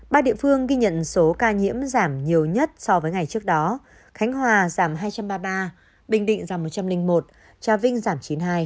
ba địa phương ghi nhận số ca nhiễm giảm nhiều nhất so với ngày trước đó khánh hòa giảm hai trăm ba mươi ba bình định giảm một trăm linh một trà vinh giảm chín mươi hai